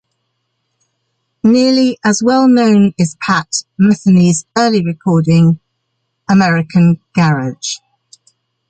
Nearly as well known is Pat Metheny's early recording American Garage.